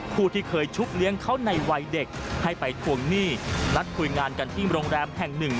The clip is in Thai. ผู้ที่เคยชุบเลี้ยงเขาในวัยเด็กให้ไปทวงหนี้นัดคุยงานกันที่โรงแรมแห่งหนึ่ง